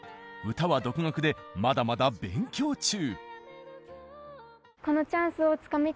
歌は独学でまだまだ勉強中。